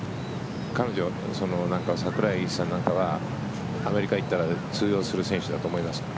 彼女、櫻井さんなんかはアメリカに行ったら通用する選手だと思いますか？